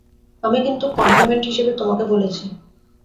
আমি কিন্তু কমপ্লিমেন্ট হিসেবে তোমাকে বলেছি।